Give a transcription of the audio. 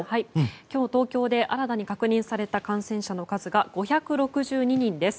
今日東京で新たに確認された感染者の数が５６２人です。